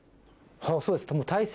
そうです。